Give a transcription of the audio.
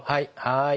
はい。